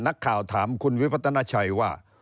นักข่าวถามคุณวิพัฒนาชัยว่า